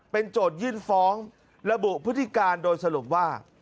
โจทยื่นฟ้องระบุพฤติการโดยสรุปว่า